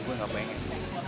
gua ga pengen